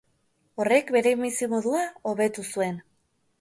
Horrek bere bizimodua hobetu zuen.